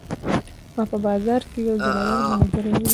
ما په بازار کې یو زوړ ملګری ولید